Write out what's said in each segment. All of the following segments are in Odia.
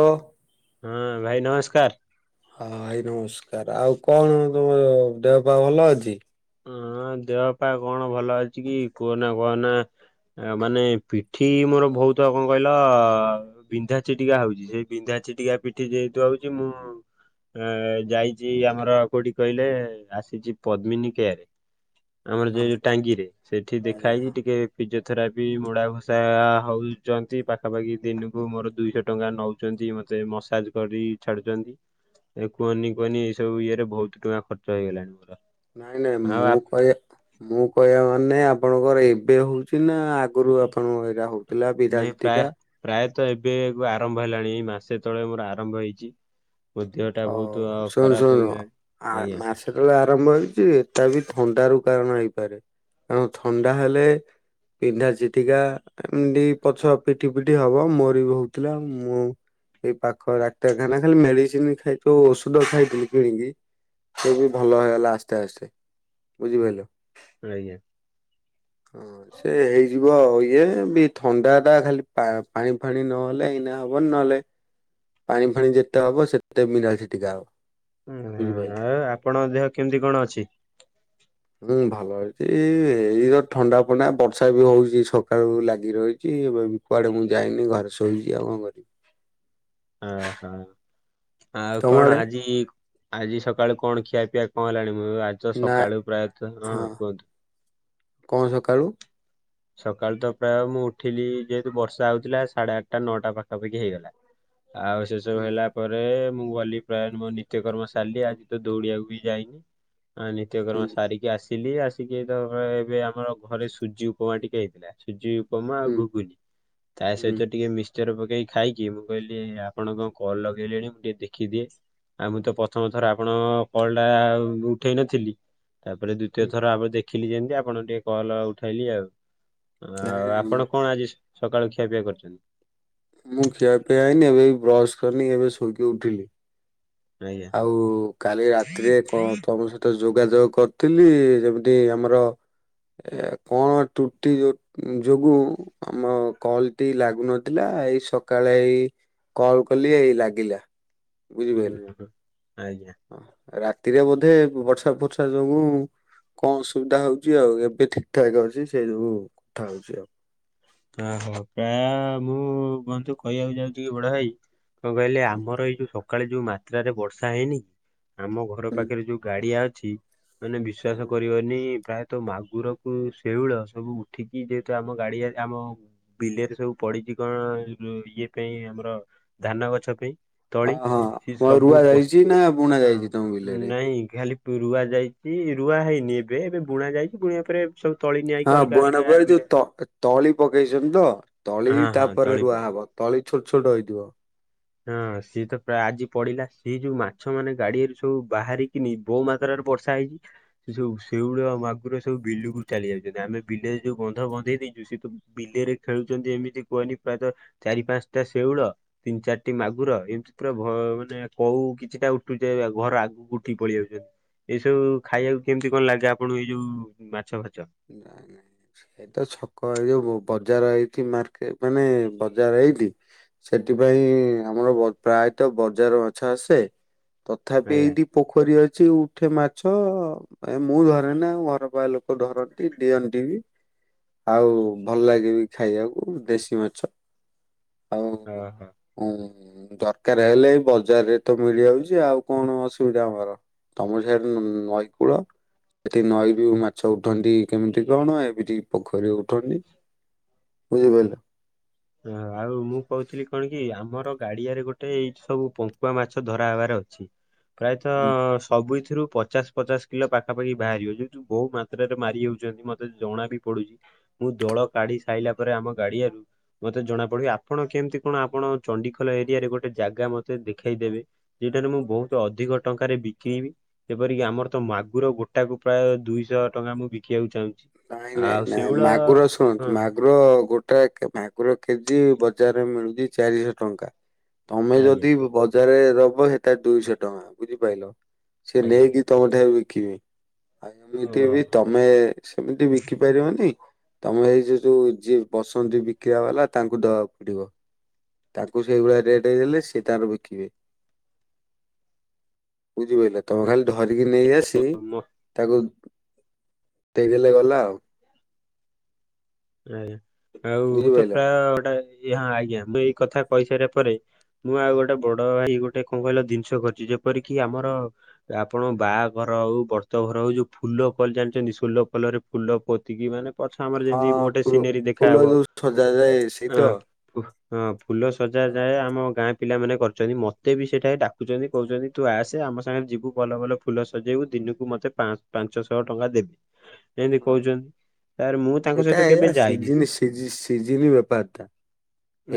ହୋ ହଁ ଭାଇ ନମସ୍କାର। ହଁ ଭାଇ ନମସ୍କାର ଆଉ କଣ ତମର ଦେହ ପା ଭଲ ଅଛି? ହଁ ଦେହ ପା କଣ ଭଲ ଅଛି କି କୁହନା କୁହନା। ଆ ମାନେ ପିଠି ମୋର ବହୁତ କଣ କହିଲ। ବିନ୍ଧା ଚିଟିକା ହଉଛି ସେଇ ବିନ୍ଧା ଚିଟିକା ପିଠି ଯେହେତୁ ହଉଛି ମୁଁ। ଏ ଯାଇଛି ଆମର କୋଉଠି କହିଲେ ଆସିଛି ପଦ୍ମିନୀ। ଆମର ଯୋଉ ହଁ ଯୋଉ ଟାଙ୍ଗି ରେ ସେଠି ଦେଖା ହେଇଛି ଆଜ୍ଞା ଟିକେ। ଫିଜିଓଥେରାପି ମୁଡ଼ା ଘଷା ହଉଛନ୍ତି ପାଖାପାଖି ଦିନକୁ ମୋର ଦୁଇଶ ଟଙ୍କା ନଉ ମତେ ମସାଜ କରି ଛାଡୁଛନ୍ତି। ଏ କୁହନି କୁହନି ଏଇ ସବୁ ଇଏରେ ବହୁତ ଟଙ୍କା ଖର୍ଚ୍ଚ ହେଇଗଲାଣି ମୋର। ନାଇଁ ନାଇଁ ଆଉ ମୁଁ କହିବା ମୁଁ କହିବା ମାନେ ଆପଣଙ୍କର ଏବେ ହଉଛି ନା ଆଗୁରୁ ଆପଣ ନାଇଁ ପ୍ରାୟ ପ୍ରାୟତ ଏବେ ଏବେ ଆରମ୍ଭ ହେଲାଣି ଏଇ ମାସେ ତଳେ ମୋର ଆରମ୍ଭ ହେଇଛି। ମୋ ଦେହ ଟା ଅ ବହୁତ ଖରାପ ହେଇଗଲାଣି ଆଜ୍ଞା। ଏବେ ଆରମ୍ଭ ହେଇଛି ଏଟା ବି ଥଣ୍ଡାର କାରଣ ହେଇପାରେ କାରଣ ଥଣ୍ଡା ହେଲେ। ବିନ୍ଧା ଝିଟିକା। ଏମିତି ପଛ ପିଠି ପିଠି ହବ ମୋରି ବି ହଉଥିଲା ମୁଁ ଏଇ ପାଖ ଡାକ୍ତରଖାନା ଖାଲି ମେଡିସିନ ସେ ଯୋଉ ଔଷଧ ଖାଇଥିଲି କିଣିକି ସେ ବି ଭଲ ହେଇଗଲା ଆସ୍ତେ ଆସ୍ତେ। ବୁଝିପାରିଲ। ଆଜ୍ଞା। ହଁ। ସେ ହେଇଯିବ ଆଉ ଇଏ ବି ଥଣ୍ଡା ଟା ଖାଲି ପା ପାଣି ଫାଣି ନହେଲେ ଏଇନା ହବନି ନହେଲେ। ପାଣି ଫାଣି ଯେତେ ହବ ସେତେ ବିନ୍ଧା ଚିଟିକା ହବ ଆ, ବୁଝିପାରିଲ। ଆଉ ଆପଣଙ୍କ ଦେହ କେମିତି କଣ ଅଛି? ହୁଁ ଭଲ ଅଛି ଏଇ ଥଣ୍ଡା ଫଣ୍ଡା ବର୍ଷା ବି ହଉଛି ସକାଳୁ ଲାଗି ରହିଛି ଏବେବି କୁଆଡେ ମୁଁ ଯାଇନି ଘରେ ଶୋଇଛି ଆଉ କଣ କରିବି। ଓ ହୋ ଆଉ ତମ କଣ ଆଡେ ଆଜି। ଆଜି ସକାଳୁ କଣ ଖିଆ ପିଆ କଣ ହେଲାଣି ମୁଁ ଆଜି ତ ନା ସକାଳୁ ପ୍ରାୟତଃ ହଁ କୁହନ୍ତୁ। କଣ ସକାଳୁ? ସକାଳୁ ତ ପ୍ରାୟ ମୁଁ ଉଠିଲି ଯେହେତୁ ବର୍ଷା ହଉଥିଲା ସାଢେ ଆଠଟା ନଅଟା ପାଖାପାଖି ହେଇଗଲା। ଆଉ ସେ ସବୁ ହୁଁ ହେଲା। ପରେ ମୁଁ ଗଲି ପ୍ରାୟ ମୋ ନିତ୍ୟକର୍ମ ସାରିଲି ଆଜି ତ ଦୌଡିିବାକୁ ବି ଯାଇନି ଆ ହୁଁ ନିତ୍ୟକ୍ରମ ସାରିକି ଆସିଲି ଆସିକି ତ ଏବେ ଆମର ଘରେ ସୁଜି ଉପମା ଟିକେ ହେଇଥିଲା। ସୁଜି ଉପମା ଆଉ ହୁଁ ଘୁଗୁନି ତା ହୁଁ ସହିତ ଟିକେ ମିଶ୍ଚ ମିକଶ୍ଚର ପକେଇକି ଖାଇକି ମୁଁ କହିଲି ଆପଣକଣ କଲ ଲଗେଇଲେଣି ମୁଁ ଟିକେ ଦେଖିଦିଏ। ଆଉ ମୁଁ ତ ପ୍ରଥମ ଥର ଆପଣଙ୍କ କଲ ଟା ଉଠେଇ ନଥିଲି। ତାପରେ ଦ୍ୱତୀୟ ଥର ଆପ ଦେଖିଲି ଯେମତି ଆପଣ ଟିକେ କଲ୍ ଉଠାଇଲି ଆଉ। ଆଉ ନାଇଁ ଆପଣ କଣ ଆଜି ସକାଳୁ ଖିଆ ପିଆ କରିଛନ୍ତି? ମୁଁ ଖିଆ ପିଆ ହେଇନି ଏବେ ବି ବ୍ରସ କରିନି ଏବେ ଶୋଇକି ଉଠିଲି। ଆଜ୍ଞା। ଆଉ କାଲି ରାତିରେ କଣ ତମ ସ ତ ଯୋଗାଯୋଗ କରିଥିଲି ଯେମିତି ଆମର। ଏ କଣ ତ୍ରୁଟି ଯୋଗୁଁ। ଆମ କଲ ଟି ଲାଗୁନଥିଲା ଏଇ ସକାଳେ ଏଇ। କଲ କଲି ଏଇ ଲାଗିଲା। ହୁଁ ବୁଝିପାଇଲ। ହୁଁ ଆଜ୍ଞା। ରାତିରେ ବୋଧେ ବର୍ଷା ଫର୍ଷା ଯୋଗୁ। କଣ ଅସୁବିଧା ହଉଛି ଆଉ ଏବେ ଠିକ୍ ଠାକ୍ ଅଛି ସେଇ ସବୁ କଥା ହଉଛି ଆଉ। ଓହୋ ପ୍ରାୟ ମୁଁ କୁହନ୍ତୁ କହିବାକୁ ଯାଉଛି କି ବଡ ଭାଇ। କଣ କହିଲେ ଆମର ଏଇ ଯୋଉ ସକାଳେ ଯୋଉ ମାତ୍ରାରେ ବର୍ଷା ହେଇନି। ଆମ ଘର ହୁଁ ପାଖରେ ଯୋଉ ଗାଡିଆ ଅଛି ମାନେ ବିଶ୍ବାାସ ହଁ କରିବନି ପ୍ରାୟ ତ ମାଗୁରକୁ, ଶେଉଳ ସବୁ ଉଠିକି ଯେହେତୁ ଆମ ଗାଡିଆରେ। ଆମ ବିଲେରେ ସବୁ ପଡିଛି କଣ ଇଏ ପାଇଁ ଆମର ଧାନ ଗଛ ପାଇଁ ତଳି ଓଁ ହଁ ସେ ହଁ ସବୁ ରୁଆ ଯାଇଛି ନା ବୁଣା ଯାଇଛି ତମ ବିଲରେ? ଏୟାର ଲିଫ୍ଟ ରୁଆ ଯାଇଛି ରୁଆ ହେଇନି ଏବେ ଏବେ ବୁଣା ଯାଇଛି ବୁଣିବା ପରେ ସବୁ ତୋଳି ନିଆଁ ହେଇକି ହଁ ଅଲଗା ବୁହାନ ଅଲଗା ପରେ ଯୋଉ ବିଲ। ତ ତଳି ପକେଇଛନ୍ତି ତ, ତଳି ହଁ ହଁ ତାପରେ ତଳି ପଡିଛି। ରୁଆ ହବ ତଳି ଛୋଟ ଛୋଟ ହେଇଥିବ। ହଁ ସିଏ ତ ପ୍ରାୟ ଆଜି ପଡିଲା ସେ ଯୋଉ ମାଛ ମାନେ ଗାଡିରେ ସବୁ ବାହାରି ବହୁ ମାତ୍ରାରେ ବର୍ଷା ହେଇଛି। ସେ ସବୁ ଶେଉଳ ମାଗୁର ଆଗରେ ସବୁ ବିଲୁକୁ ଚାଲି ଯାଉଛନ୍ତି ଆମେ ବିଲେ ଯୋଉ ବନ୍ଧ ବନ୍ଧେଇ ଦେଇଛୁ ସେ ତୁ ବିଲେରେ ଖେଳୁଛନ୍ତି ଏମିତି କୁହନି ପ୍ରାୟତଃ ଚାରି ପାଞ୍ଚଟା ଶେଉଳ। ତିନି ଚାରି ଟି ମାଗୁର ଏମିତି ପୁରା ମାନେ କୋଉ କିଛିଟା ଉଠୁଛ ଘର ଆଗକୁ ଉଠିକି ପଳେଇ ଆାଉଛନ୍ତି। ଏଇ ସବୁ ଖାଇବାକୁ କେମିତି କଣ ଲାଗେ ଆପଣଙ୍କୁ ଏଇ ଯୋଉ ମାଛ ଫାଚ? [inaudible] ସେଇ ତ ଛକ ଏଇ ଯୋଉ ବଜାର ହେଇଠି, ମାର୍କେଟ ମାନେ ବଜାର ହେଇଠି। ସେଥିପାଇଁ ଆମର ପ୍ରାୟତଃ ବଜାର ମାଛ ଆସେ ତଥାପି ଆଜ୍ଞା ଏଇଠି। ପୋଖରୀ ଅଛି ଉଠେ ମାଛ ଏ ମୁଁ ଧରେ ନା ଆ ଘର ପାଖ ଲୋକ ଧରନ୍ତି। ଦିଅନ୍ତିନି। ଆଉ ଭଲ ଲାଗେ ବିି ଖାଇବାକୁ ଦେଶୀ ମାଛ ଆଉ। ଓହୋ। ହଁ ଦରକାର ହେଲେ ବଜାରରେ ତ ମିଳିଯାଉଛି ଆଉ କଣ ଅସୁବିଧା ଆମର। ତମ ଜାଗାରେ ନଈ କୂଳ ସେଠି ନଈ ବି ମାଛ ଉଠନ୍ତି। କେମିତି କଣ ଏବେ ଟିକେ ପୋଖରୀ ଉଠନି ବୁଝିପାରିଲ। ଓ ଆଉ ମୁଁ କହୁଥିଲି କଣ କି ଆମର ଗାଡିଆରେ ଗୋଟେ ଏଇ ସବୁ ପଙ୍କୁଆ ମାଛ ଧରା ହବାର ଅଛି। ପ୍ରାୟତଃ ହୁଁ। ସବୁଥିରୁ ପଚାଶ ପଚାଶ କିଲୋ ପାଖାପାଖି ବାହାରିବ ଯୁ ବହୁତ ମାତ୍ରାରେ ମାରି ଯଉଛନ୍ତି ମତେ ଜଣା ବି ପଡୁଛି। ମୁଁ ଦୋଳ କାଢି ସାରିଲା ପରେ ଆମ ଗାଡିଆରୁ ମତେ ଜଣାପଡିବ ଆପଣ କେମିତି କଣ ଆପଣ, ଚଣ୍ଡିଖୋଲ ଏରିଆରେ ଗୋଟେ ଜାଗା ମତେ ଦେଖେଇଦେବେ। ସେଟାରେ ମୁଁ ବହୁତ ଅଧିକ ଟଙ୍କାରେ ବିକେଇବି। ଯେପରିକି ଆମର ତ ମାଗୁର ଗୋଟା କୁ ପ୍ରାୟ ଦୁଇଶହ ଟଙ୍କା ମୁଁ ବିକିବାକୁ ଚାହୁଁଛି। ନାଇଁ ନାଇଁ ଆଉ ନାଇଁ ଶେଉଳ ମାଗୁର ହଁ ଶୁଣନ୍ତୁ ମା ମାଗୁର ଗୋଟା ମାଗୁର କେଜି ବଜାରରେ ମିଳୁଛି ଚାରିଶହ ଟଙ୍କା। ତମେ ଆଜ୍ଞା ଯଦି ବଜାରରେ ଦବ ସେଟା ଦୁଇଶହ ଟଙ୍କା ବୁଝିପାରିଲ ସେ ଆଜ୍ଞା ନେଇକି ତମ ଠାରୁ ବିକିବି ଆଉ ଏମିତି ବି ଓ ତମେ ସେମିତି ବିକି ପାରିବନି ତମେ ଏଇ ଯୋ ଯୋଉ ଯଏ ବସନ୍ତି ବିକ୍ରିବା ବାଲା ତାଙ୍କୁ ଦବାକୁ ପଡିବ। ତାଙ୍କୁ ସେଇଭଳିଆ ରେଟ୍ ଦେଲେ ସେ ତାର ବିକିବେ। ବୁଝିପାରିଲ ତମେ ଖାଲି ଧରିକି ନେଇ ଆସିବୁ ମ ତାକୁ। ଦେଇଦେଲେ ଗଲା ଆଉ। ଆଜ୍ଞା ଆଉ ମୁଁ ତ ବୁଝିପାରିଲ। ପ୍ରାୟ ଗୋଟାଇଏ ହଁ ଆଜ୍ଞା ମୁଁ ଏଇ କଥା କହିସାରିବା ପରେ ମୁଁ ଆଉ ଗୋଟେ ବଡ ଭାଇ ଗୋଟେ କଣ କହିଲ ଜିନିଷ କରିଛି ଯେପରିକି ଆମର ଆପଣ ବାହାଘର ହଉ ବ୍ରତ ଘର ହଉ ଯୋଉ ଫୁଲ ଫଲ ଜାଣିଛନ୍ତି ଫୋଲ ଫୋଲରେ ଫୁଲ ପୋତିକି ମାନେ ପଛ ଆମର ହଁ ଯେମତି ଗୋଟେ ଫୁଲ ସିନେରୀ ଫୁଲ ଦେଖାହେବ ଯୋଉ ସଜାଯାଏ ସେଇ ତ। ଆଁ ହଁ ଫୁଲ ସଜା ହଁ ଯାଏ ହଁ ଆମ ଗାଁ ପିଲାମାନେ କରୁଛନ୍ତି ମୋତେ ବି ସେଇଠା ଡାକୁଚଛନ୍ତି କହୁଛନ୍ତି ତୁ ଆସେ ଆମ ସାଙ୍ଗ ଯିବୁ ଭଲ ଭଲ ଫୁଲ ସଜେଇବୁ ଦିନକୁ ମୋତେ ପା ପାଞ୍ଚଶହ ଟଙ୍କା ଦେବୁ ଏମିତି କହୁଛନ୍ତି ତପରେ ମୁଁ ତାଙ୍କ ସହିତ କେବେ ଯାଇନି ସି ସିଜିନ ବେପାର ଟା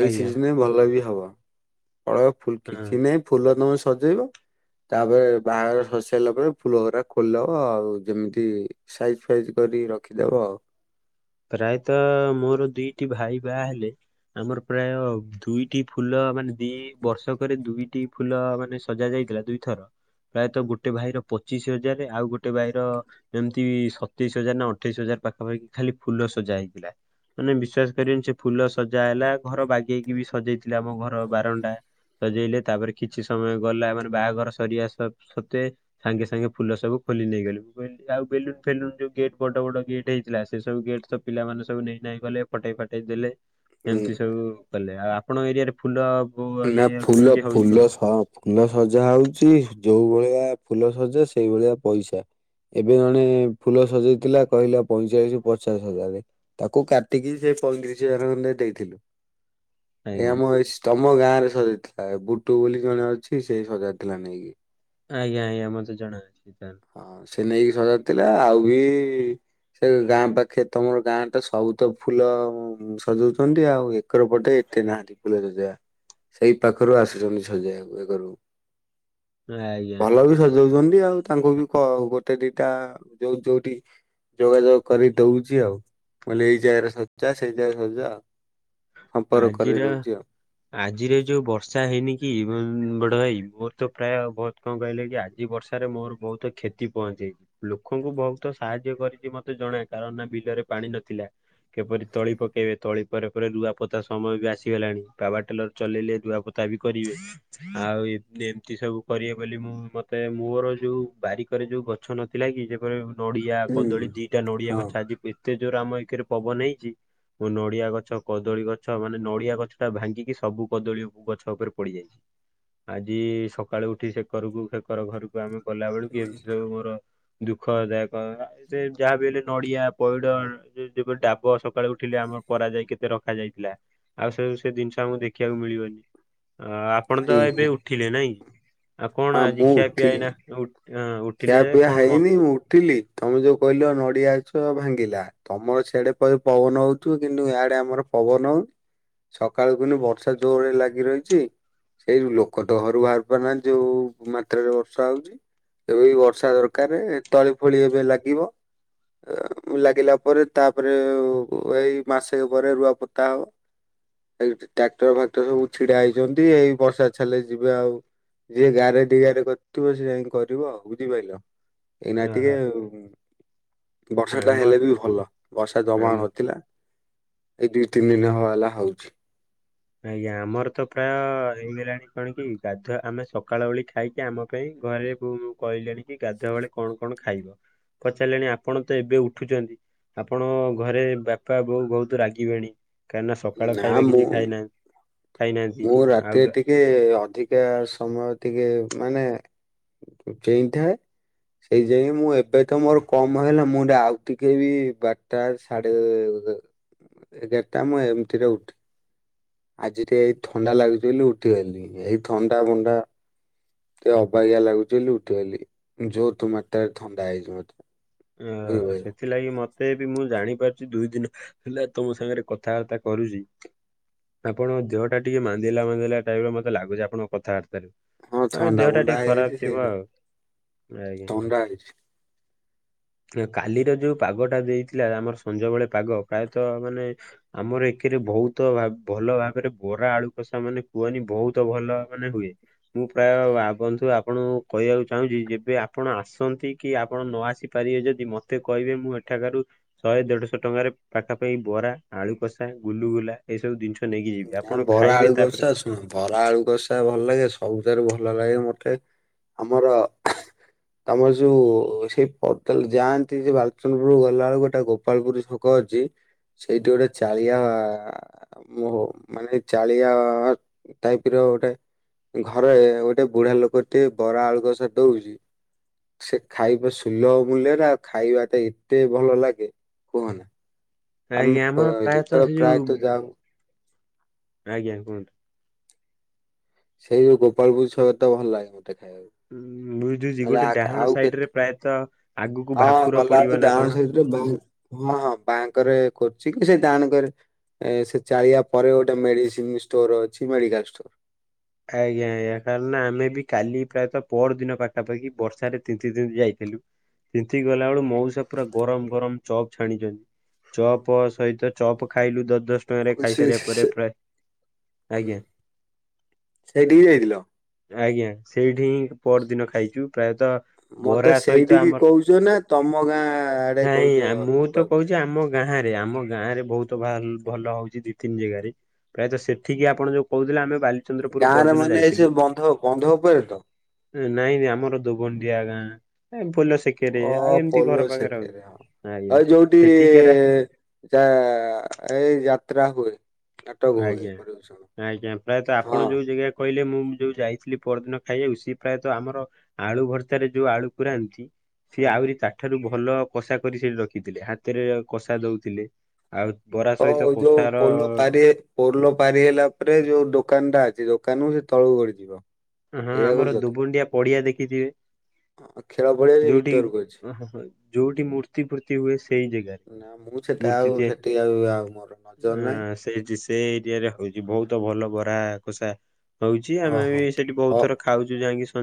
ଏଇ ସିଜିନ ଭଲ ବି ହବ। ପଳେଇ ଫୁଲ ହଁ କିଛି ନାହିଁ ଫୁଲ ତମେ ସଜେଇବ। ତାପରେ ବାହାଘର ସରି ସାଇଲା ପରେ, ଫୁଲ ଗୁରା ଖୋଲିଦବ ଆଉ ଯେମିତି ସାଇଜ ସାଇଜ କରିକି ରଖିଦବ ଆଉ। ପ୍ରାୟତଃ ମୋର ଦିଟି ଭାଇ ବାହା ହେଲେ। ଆମର ପ୍ରାୟ ଦୁଇଟି ଫୁଲ, ମାନେ ଦି ବର୍ଷକରେ ଦୁଇଟି ଫୁଲ ମାନେ ମାନେ ସଜା ଯାଇଥିଲା ଦୁଇଥର, ପ୍ରାୟତଃ ଗୋଟେ ଭାଇର ପଚିଶି ହଜାର। ଆଉ ଗୋଟେ ଭାଇର ଯେମିତି ସତେଇଶ ହଜାର ନା ଅଠେଇଶି ହଜାର ପାଖାପାଖି ଖାଲି ଫୁଲ ସଜା ହେଇଥିଲା। ମାନେ ବିଶ୍ଵାସ କରିବେନି ସେ ଫୁଲ ସଜା ହେଲା, ଘର ବାଗେଇକି ବି ସଜେଇଥିଲା ଆମ ଘର ବାରଣ୍ଡା। ସଜେଇଲେ, ତାପରେ କିଛି ସମୟ ଗଲା ମାନେ ବାହାଘର ସରିିବା ସ ସତ୍ୱେ ସାଙ୍ଗେ ସାଙ୍ଗେ ଫୁଲ ସବୁ ଖୋଲି ନେଇଗଲୁ, ମୁଁ କହିଲି ଆଉ ବେଲୁନ ଫେଲୁନ ଯୋଉ ଗେଟ୍ ବଡ ବଡ ଗେଟ୍ ହେଇଥିଲା ସେ ସବୁ ଗେଟ ତ ପିଲାମାନେ ସବୁ ନେଇ ନାଇଁ ଗଲେ, ଫଟେଇ ଫାଟେଇ ଦେଲେ, ହୁଁ ଏମିତି ସବୁ କଲେ। ଆଉ ଆପଣଙ୍କ ଏରିଆରେ ଫୁଲ ନା ଇଏ ଫୁଲ କେମିତି ହଉଚି ଫୁଲ କଣ? ସ ଫୁଲ ସଜା ହଉଚି, ଯୋଉ ଭଳିଆ ଫୁଲ ସଜା ସେଇଭଳିଆ ପଇସା। ଏବେ ଜଣେ ଫୁଲ ସଜେଇଥିଲା, କହିଲା ପଇଁଚାଳିଶରୁୁ ପଚାଶ ହଜାର। ତାକୁ କାଟିକି ସେ ପଇଁତିରିଶ ହଜାର ଖଣ୍ଡେ ଦେଇଥିଲୁ। ଏ ଆଜ୍ଞା ଆମ ଆମ ଗାଁରେ ସଜେଇଥିଲା, ବୁଟୁ ବୋଲି ଜଣେ ଅଛି ସେ ସଜେଇଥିଲା ନେଇକି। ଆଜ୍ଞା ଆଜ୍ଞା ମତେ ଜଣା ଅଛି ତାହେଲେ। ହଁ ସେ ନେଇକି ସଜାଡି ଥିଲା, ଆଉ ବି ସେ ଗାଁ ପାଖେ ତମର ଗାଁଟା, ସବୁତ ଫୁଲ ସଜଉଛନ୍ତି ଆଉ ଏକର ପଟେ ଏତେ ନାହାନ୍ତି, ଫୁଲ ସଜେଇବା। ସେଇ ପାଖରୁ ଆସୁଛନ୍ତି ସଜେଇବାକୁ ଏ କରୁ। ଆଜ୍ଞା। ଭଲ ବି ସଜଉଛନ୍ତି, ଆଉ ତାଙ୍କୁ ବି ଗୋଟେ ଦିଟା ଯୋଉ ଯୋଉଠି ଯୋଗାଯୋଗ କରି ଦଉଚି ଆଉ, ମୁଁ କହିଲି ଏଇ ଜାଗାରେ ସଜା ସେଇ ଜାଗାରେ ସଜା ଆଉ। ସମ୍ପର୍କ କରେଇ ଆଜିର ଦଉଛି ଆଉ। ଆଜିରେ ଯୋଉ ବର୍ଷା ହେଇନି କି, ବଡ ଭାଇ ମୋର ତ ପ୍ରାୟ ବହୁତ କଣ କହିଲେ କି ଆଜି ବର୍ଷାରେ, ମୋର ବହୁତ କ୍ଷତି ପହଞ୍ଚେଇଛି। ଲୋକଙ୍କୁ ବହୁତ ସାହାଯ୍ୟ କରିଛି ମତେ ଜଣା, କାରଣ ନା ବିଲରେ ପାଣି ନଥିଲା। କେପରି ତଳି ପକେଇବେ, ତଳି ପରେ ପରେ ରୁଆ ପ ତା ସମୟ ବି ଆସିଗଲାଣି, ପାୱାର ଟେଲର ଚଲେଇଲେ ରୁଆପୋତା ବି କରିବେ। ଆଉ ଏମିତି ଏମିତି ସବୁ କରିବେ ବୋଲି ମୁଁ, ମତେ ମୋର ଯୋଉ ବାରିକରେ ଯୋଉ ଗ ଗଛ ନଥିଲା କି, ଯେପରି ନଡିଆ, ହୁଁ କଦଳୀ ଦିଟା ନଡିଆ ହଁ ଗଛ ଆଜି ଏତେ ଜୋରେ ଆମ ଏକରେ ପବନ ହେଇଛି, ମୋ ନଡିଆ ଗଛ, କଦଳୀ ଗଛ ଗଛ ମାନେ ନଡିଆ ଗଛ ଟା ଭାଙ୍ଗିକି ସବୁ କଦଳୀ ଗଛ ଉପରେ ପଡିଯାଇଛି। ଆଜି ସକାଳୁ ଉଠି ସେକରକୁ ସେକର ଘରକୁ ଆମେ ଗଲା ବେଳକୁ, ନାଇଁ ଏମିତି ସବୁ ମୋର ଦୁଃଖଦାୟକ ଆ [unintelligible] ଯାହା ବି ହେଲେ ନଡିଆ ପଇଡ଼ ଯେ [unintelligible] ଡାବ ସକାଳୁ ଉଠିଲେ ଆମର ପରାଯାଇ କେତେ ରଖାଯାଇଥିଲା। ଆଉ ସେ ସେ ଜିନିଷ ଆମକୁ ଦେଖିବାକୁ ମିଳିବନି। ଅଁ ଆପଣ ତ ନାଇଁ ଏବେ ଉଠିଲେ ନାଇଁ? ଆଉ ହଁ କଣ ଆଜି ମୁଁ ଖିଆ ପିଆ? ଠିକ ଏଇନା ଉଠ ଖିଆ ପିଆ ହେଇନି, ମୁଁ ଉଠିଲି। ତମେ ଯୋଉ କହିଲ ନଡିଆ ଗଛ ଭାଙ୍ଗିଲା। ତମର ସିଆଡେ ପ-ପବନ ହଉଥିବ, କିନ୍ତୁ ଇଆଡେ ଆମର ପବନ ସକାଳୁ କିନ୍ତୁ ବର୍ଷା ଜୋରେ ଲାଗି ରହିଛି। ସେଇ ଲୋକ ତ ଘରୁ ବାହାରି ପାରୁନାହାନ୍ତି, ଯୋଉ-ଉ ମାତ୍ରାରେ ବର୍ଷା ହଉଛି। ଏବେ ବି ବର୍ଷା ଦରକାରେ, ତଳି ଫଳି ଏବେ ଲାଗିବ। ଏ ଲାଗିଲା ପରେ, ତାପରେ ଏଇ ମାସେ ପରେ ରୁଆ ପତା ହବ। ଏଇଠି ଟ୍ରାକ୍ଟର ଫାକ୍ଟର ସବୁ ଛିଡା ହେଇଛନ୍ତି, ଏଇ ବର୍ଷା ଛାଡିଲେ ଯିବେ ଆଉ। ଯିଏ ଗାଁରେ ଢିଆରେ କରିଥିବ, ସେ ଯାଇିଁକି କରିବ ଆଉ ବୁଝିପାଇଲ। ଏଇନା ଟିକେ ଓହୋ ଉଁ ବର୍ଷାଟା ଆମ ହେଲେ ବି ଭଲ, ବର୍ଷା ଜମା ଆମ ନଥିଲା। ଏଇ ଦିଇ ତିନି ଦିନି ହବ ହେଲା ହଉଛି। ଆଜ୍ଞା ଆମର ତ ପ୍ରାୟ ହେଇଗଲାଣି କଣ କି ଗାଧୁଆ, ଆମେ ସକାଳ ଓଳି ଖାଇକି ଆମ ପାଇଁ, ଘରେ ବୋଉ କହିଲେଣି କି ଗାଧୁଆ ବେଳେ କଣ କଣ ଖାଇବ? ପଚାରିଲେଣି ଆପଣ ତ ଏବେ ଉଠୁଛନ୍ତି। ଆପଣଙ୍କ ଘରେ ବାପା ବୋଉ ବହୁତ ରାଗିବେଣି କାହିଁକି ନା ସକାଳ ଖାଇବା କିଛି ଖାଇ ନାହାଁନ୍ତି। ମୁଁ ରାତିରେ ଟିକେ ଅଧିକା ସମୟ ଟିକେ ମାନେ ଚେଇଁଥାଏ ଏଇ ଯାଇଁ ମୁଁ ଏବେ ତ ମୋର କମ ହେଲା ମୁଁ ଆଉ ଟିକେ ବି ବାରଟା ସା ସାଢେ଼ ଏ ଏଗ-ଏଗାରଟା ମୁଁ ଏମିତିରେ ଉଠେ ଆଜି ଟିକେ ଏଇ ଥଣ୍ଡା ଲାଗୁଛି ବୋଲି ଉଠିଗଲି ଏଇ ଥଣ୍ଡା ବଣ୍ଡା ଟିକେ ଅବାଗିଆ ଲାଗୁଛି ବୋଲି ଉଠିଗଲି ଯୋଥ ମାତ୍ରାରେ ଥଣ୍ଡା ହେଇଛି ମତେ ହଁ ଆଁ [inaudible] ବୁଝିପାରିଲ ସେଥିଲାଗି ମତେ ବି ମୁଁ ଜାଣିପାରୁଛି ଦୁଇ ଦିନ ହେଲା ତମ ସାଙ୍ଗରେ କଥାବାର୍ତ୍ତା କରୁଛି। ଆପଣଙ୍କ ଦେହଟା ଟିକେ ମାନ୍ଦିଲା ମାନ୍ଦିଲା ଟାଇପ୍ ର ମତେ ଲାଗୁଛି ଆପଣ କଥାବାର୍ତ୍ତାରୁ ହଁ ଆ ଥଣ୍ଡା ଦେହଟା ଫଣ୍ଡା ଟିକେ ଖରାପ ହେଇଯାଇଛି ଥିବ ସେଇଥି ଆଉ ଆଜ୍ଞା। [inaudible] କାଲିର ଯୋଉ ପାଗ ଟା ଦେଇଥିଲା ଆମର ସଞ୍ଜବେଳେ ପାଗ ପ୍ରାୟତଃ ମାନେ ଆମର ଏକେରେ ବହୁତ ଭା ଭଲ ଭାବରେ ବରା ଆଳୁ କଷା ମାନେ କୁହନି ବହୁତ ଭଲ ମାନେ ହୁଏ। ମୁଁ ପ୍ରାୟ ବା ବନ୍ଧୁ ଆପଣଙ୍କୁ କହିବାକୁ ଚାହୁଁଛି ଯେବେ ଆପଣ ଆସନ୍ତି କି ଆପଣ ନ ଆସି ପାରିବେ ଯଦି ମତେ କହିବେ ମୁଁ ଏଠାକାରୁ ଶହେ ଦେଢଶହ ଟଙ୍କାରେ ପାଖାପାଖି ବରା, ଆଳୁ କଷା, ଗୁଲୁଗୁଲା ଏଇସବୁ ଜିନିଷ ନେଇକି ଯିବି ଆପଣ ଖାଇବେ ତାପରେ ଅଁ ବରା ଆଳୁ କଷା ଭଲ ଲାଗେ ସବୁଠାରୁ ଭଲ ଲାଗେ ମତେ ଆମର ଆମର ଯୋଉ ସେଇ ପଟଲ ଯାଆନ୍ତି ଯେ ବାଲଚନ୍ଦ୍ରପୁର ଗଲାବେଳକୁ ଗୋଟେ ଗୋପ ଗୋପାଳପୁର ଛକ ଅଛି ସେଇଠି ଗୋଟେ ଚାଳିଆ-ଆ ମୋ ମାନେ ଚାଳିଆ-ଆ ଟାଇପ୍ ର ଗୋଟେ ଘରେ ଗୋଟେ ବୁଢା ଲୋକ ଟିଏ ବରା ଆଳୁକଷା ଦଉଛି। ସେ ଖାଇବ ସୁଲଭ ମୂଲ୍ୟରେ ଆଉ ଖାଇବାତା ଏତେ ଭଲ ଲାଗେ କୁହନା। ଆମ ଆଜ୍ଞା ଆମର ଅଏ ପ୍ରାୟତଃ ଯେତେବେଳେ ସେ ଯୋଉ ପ୍ରାୟତଃ ଯାଉ ଆଜ୍ଞା କୁହନ୍ତୁ। ସେଇ ଯୋଉ ଗୋପାଳପୁର ଛକ ତ ଭଲ ଲାଗେ ମତେ ଖାଇବାକୁ। ଉଁ ବୁଝୁଛି ନହେଲେ ଗୋଟେ ଆ ଡାହାଣ ଆଉ କେତେ ସାଇଡରେ ପ୍ରାୟତଃ ଆଗକୁ ହଁ ଭାକୁର ଗଲାବେଳକୁ ପଡିବ ନା ଡାହାଣ କଣ? ସାଇଡରେ ହଁ ବାଁକରେ କୋଚିଂ ସେ ଡାହାଣ କରେ ଏ ସେ ଚାଳିବା ପରେ ଗୋଟେ ମେଡିସିନ ଷ୍ଟୋର ଅଛି ମେଡିକାଲ ଷ୍ଟୋର। ଆଜ୍ଞା ଆଜ୍ଞା କାରଣ ଆମେ ବି କାଲି ପ୍ରାୟତଃ ପର ଦିନ ପାଖାପାଖି ବର୍ଷାରେ ତିନ୍ତି ତିନ୍ତି ଯାଇଥିଲୁ। ପିନ୍ଧି କି ଗଲା ବେଳକୁ ମଉସା ପୁରା ଗରମ ଗରମ ଚପ୍ ଛାଣିଛନ୍ତି ଚପ୍ ସହିତ ଚପ ଖାଇଲୁ ଦ ଦଶ ହଁ ସେ- ଖାଇସାରିବା ସେ- ପରେ ଆଜ୍ଞା। ସେଇଠିକି ଯାଇଥିଲ। ଆଜ୍ଞା ସେଇଠି ହିଁ ପରଦିନ ଖାଇଛୁ ପ୍ରାୟତଃ ମତେ ବରା ସହିତ ସେଇଠିକି ଆମର କହୁଛ ନା ତମ ଗାଁ ଆଡେ କହୁଛ ନାଇଁ ମୁଁ ତ ଯିବାକୁ କହୁଛି ଖାଇବାକୁ? ଆମ ଗାଁ ରେ ଆମ ଗାଁ ରେ ବହୁତ ଭ ଭଲ ହଉଛି ଦି ତିନି ଜାଗାରେ। ପ୍ରାୟତଃ ସେତିକି ଆପଣ ଯୋଉ କହୁଥିଲେ ଆମେ ବାଲିଚନ୍ଦ୍ରପୁର ହଁରେ ପରଦିନ ମାନେ ଏଇ ଯାଇଥିଲୁ। ସେ ବନ୍ଧ ବନ୍ଧ ଉପରେ ତ ନାଇଁ ବେ ଆମର ଦୋଗଣ୍ଡିଆ ଗାଁ ପୋଲ ସେକେରେ ଅ ଆଉ ଏମିତି ଘର ପଲୋ ପାଖରେ ଆଉ ସେକରେ ହଁ ଆଜ୍ଞା। ଆଉ ଯୋଉଠି ସେଠିକାରେ ଯ ଏଇ ଯାତ୍ରା ହୁଏ। ନାଟକ ହୁଏ ଆଜ୍ଞା ପରିବେଷଣ ଆଜ୍ଞା ପ୍ରାୟତଃ ହଁ ଆପଣ ଯୋଉ ଜାଗା କହିଲେ ମୁଁ ଯୋଉ ଯାଇଥିଲି ପରଦିନ ଖାଇବାକୁ ସିଏ ପ୍ରାୟତଃ ଆମର ଆଳୁ ଭର୍ତାରେ ଯୋଉ ଆଳୁ ପୁରାନ୍ତି। ସିଏ ହଁ। ଆହୁରି ତାଠାରୁ ଭଲ କଷା କରି ସେଠି ରଖିଥିଲେ ହାତରେ କଷା ଦଉଥିଲେ। ଆଉ ବରା ସହିତ ହଉ ଯୋଉ କଶାର ପୋଲ ପାରି ପୋଲ ପାରି ହେଲା ପରେ ଯୋଉ ଦୋକାନ ଟା ଅଛି ଦୋକାନରୁ ସେ ତଳକୁ ଗଡି ଯିବ। ହଁ ଆମର ଦୁବୁଣ୍ଡିଆ ପଡିଆ ଦେଖିଥିବେ ହଁ, ଖେଳ ପଡିଆ ସେ ଯୋଉଠି ଭିତରକୁ ଅଛି। ଯୋଉଠି ମୂର୍ତ୍ତି ଫୁର୍ତ୍ତି ହୁଏ ସେଇ ଯାଗା ନା ମୁଁ ସେଟା ଆଉ ସେତିକି ଆ ଆଉ ମୋର ନଜର ନାହିଁ। ସେଠି ସେ ଏରିଆରେ ହୋଉଚି ବୋହୁତ ଭଲ ବରା କୋଷା ହୋଉଚି ଆମେ ଓହୋ। ବି ସେଠି ବୋହୁତ ହ ଥର ଖାଉଛୁ [unintelligible]